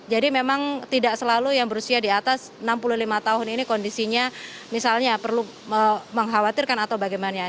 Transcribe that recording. jadi memang tidak selalu yang berusia di atas enam puluh lima tahun ini kondisinya misalnya perlu mengkhawatirkan atau bagaimana